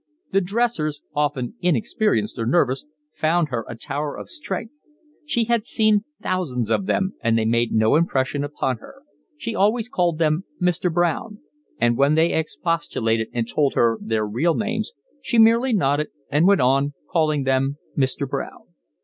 The dressers, often inexperienced or nervous, found her a tower of strength. She had seen thousands of them, and they made no impression upon her: she always called them Mr. Brown; and when they expostulated and told her their real names, she merely nodded and went on calling them Mr. Brown.